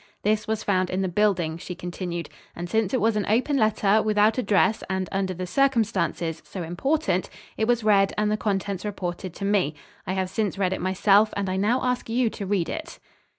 "This was found in the building," she continued, "and since it was an open letter, without address and under the circumstances, so important, it was read and the contents reported to me. I have since read it myself and I now ask you to read it."